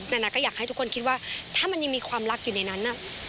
นานาก็อยากให้ทุกคนคิดว่าถ้ามันยังมีความรักอยู่ในนั้น